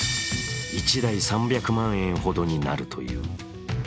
１台３００万円ほどになるという。